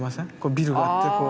ビルがあってこう。